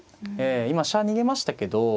今飛車逃げましたけど。